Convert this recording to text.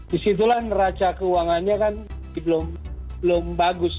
di situlah neraca keuangannya kan belum bagus